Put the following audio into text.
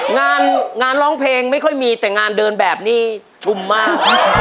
งานร้องเพลงไม่ค่อยมีแต่งานเดินแบบนี้ชุ่มมาก